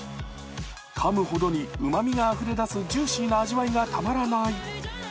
かむほどにうまみがあふれ出すジューシーな味わいがたまらない。